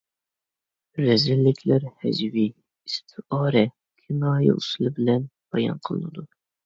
رەزىللىكلەر ھەجۋىي، ئىستىئارە، كىنايە ئۇسۇلى بىلەن بايان قىلىنىدۇ.